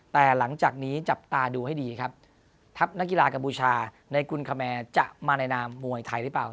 แต่หลังจากนี้จับตาดูให้ดีครับทัพนักกีฬากัมพูชาในกุลคแมร์จะมาในนามมวยไทยหรือเปล่า